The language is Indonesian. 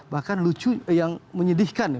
bahkan lucu yang menyedihkan